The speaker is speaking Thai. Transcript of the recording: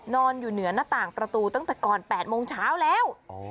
นอนอยู่เหนือหน้าต่างประตูตั้งแต่ก่อน๘โมงเช้าแล้ว